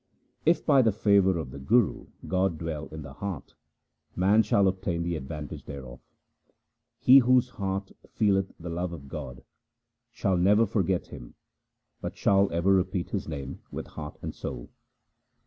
If by the favour of the Guru God dwell in the heart, man shall obtain the advantage thereof. He whose heart feeleth the love of God, Shall never forget Him, but shall ever repeat His name with heart and soul.